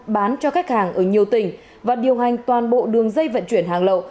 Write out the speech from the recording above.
bán cho khách hàng ở nhiều tỉnh và điều hành toàn bộ đường dây vận chuyển hàng lậu